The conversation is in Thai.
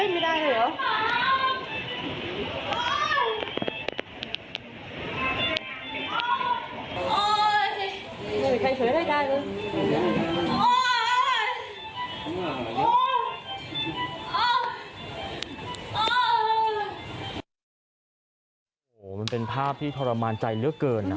มันเป็นภาพที่ทรมานใจเลือดเกิน